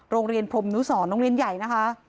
โรงเรียนพรมนุษย์ศรโรงเรียนใหญ่นะคะ